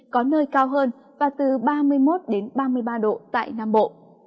có nơi cao hơn và từ ba mươi một đến ba mươi ba độ tại nam bộ